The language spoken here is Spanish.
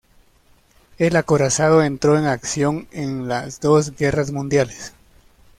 El acorazado entró en acción en las dos guerras mundiales.